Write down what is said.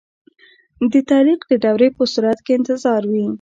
د تعلیق د دورې په صورت کې انتظار وي.